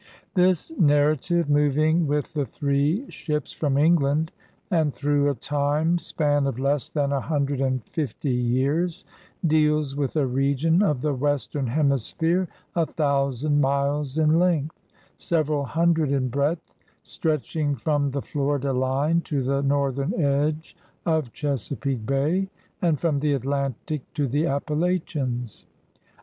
This narrative, moving with the three ships from England, and through a time span of less than a hundred and fifty years, deals with a region of the western hemisphere a thousand miles in length, several hundred in breadth, stretching from the Florida line to the northern edge of I Chesapeake Bay, and from the Atlantic to the Appalachians.